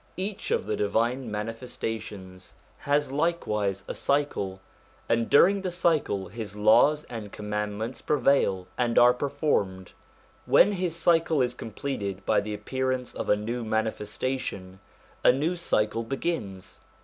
Each of the Divine Manifestations has likewise a 183 184 SOME ANSWERED QUESTIONS cycle, and during the cycle his laws and command ments prevail and are performed. When his cycle is completed by the appearance of a new Manifestation, a new cycle begins.